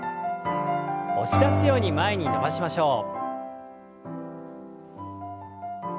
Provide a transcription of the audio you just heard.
押し出すように前に伸ばしましょう。